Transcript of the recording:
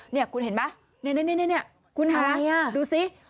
เนี่ยคุณเห็นไหมเนี่ยคุณฮะดูสิ